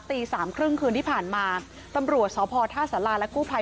ตีสามครึ่งคืนที่ผ่านมาตำรวจสพท่าสาราและกู้ภัย